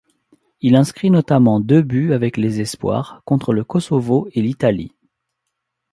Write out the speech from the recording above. Il inscrit notamment deux buts avec les espoirs, contre le Kosovo et l'Italie.